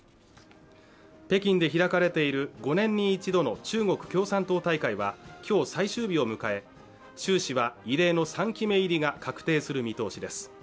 北京で開かれている５年に１度の中国共産党大会はきょう最終日を迎え習氏は異例の３期目入りが確定する見通しです